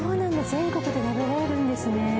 全国で食べられるんですね。